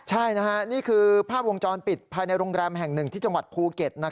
ใช่นี่คือภาพวงจรปิดภายในโรงแรมแห่งหนึ่งที่จังหวัดภูเก็ต